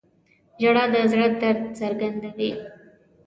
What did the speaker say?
• ژړا د زړه درد څرګندوي.